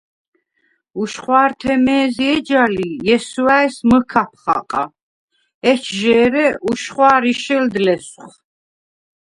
უშხვა̄რთე მე̄ზი ეჯა ლი, ჲესვა̄̈ჲს მჷქაფ ხაყა, ეჯჟ’ ე̄რე უშხვა̄რი შელდ ლესვხ.